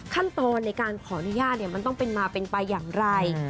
ขั้นตอนในการขออนุญาตมันต้องเป็นมาเป็นไปอย่างไร